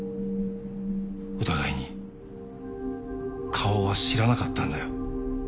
お互いに顔は知らなかったんだよ。